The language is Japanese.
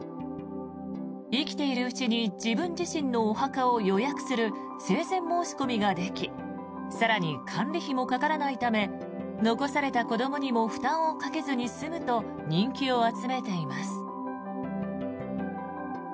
生きているうちに自分自身のお墓を予約する生前申し込みができ更に管理費もかからないため残された子どもにも負担をかけずに済むと人気を集めています。